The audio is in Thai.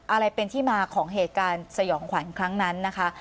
อะไรเป็นที่มาของเหตุการณ์สยองขวัญครั้งนั้นนะคะ